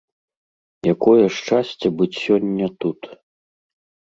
Якое шчасце быць сёння тут.